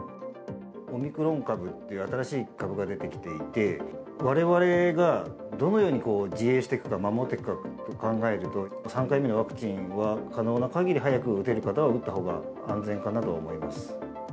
オミクロン株という新しい株が出てきていて、われわれがどのように自衛していくか、守っていくかと考えると、３回目のワクチンは可能なかぎり、早く打てる方は打ったほうが安全かなと思います。